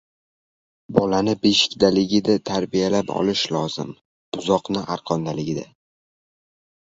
• Bolani beshikdaligida tarbiyalab olish lozim, buzoqni — arqondaligida.